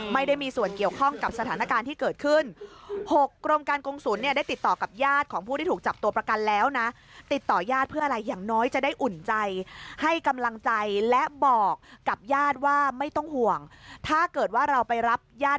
ไม่ได้มีส่วนเกี่ยวข้องกับสถานการณ์ที่เกิดขึ้น